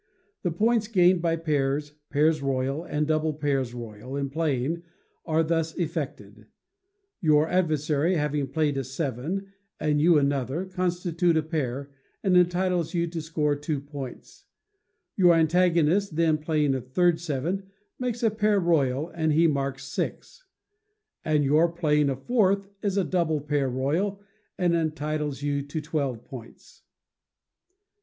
The points gained by pairs, pairs royal, and double pairs royal, in playing, are thus effected: Your adversary having played a seven and you another, constitutes a pair, and entitles you to score two points; your antagonist then playing a third seven, makes a pair royal, and he marks six; and your playing a fourth is a double pair royal, and entitles you to twelve points.